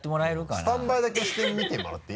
スタンバイだけしてみてもらっていい？